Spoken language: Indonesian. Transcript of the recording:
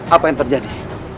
apa yang terjadi